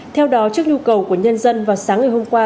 theo đó trước nhu cầu của nhân dân vào sáng ngày hôm qua